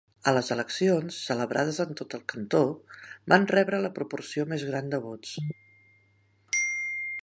A les eleccions, celebrades a tot el cantó, van rebre la proporció més gran de vots.